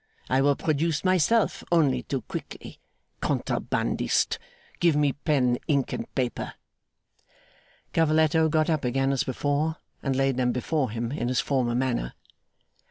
I will produce myself, only too quickly. Contrabandist! Give me pen, ink, and paper.' Cavalletto got up again as before, and laid them before him in his former manner.